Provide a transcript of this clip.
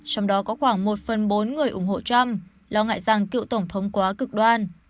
trong đó có khoảng một phần bốn người ủng hộ trump lo ngại rằng cựu tổng thống quá cực đoan